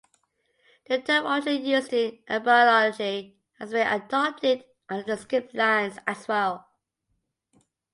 The term, originally used in embryology, has been adopted in other disciplines as well.